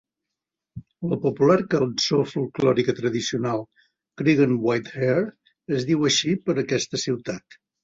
La popular cançó folklòrica tradicional "Creggan White Hare" es diu així per aquesta ciutat.